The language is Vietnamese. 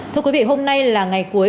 thưa quý vị hôm nay là ngày cuối